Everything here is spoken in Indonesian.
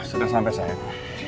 sudah sampe sayang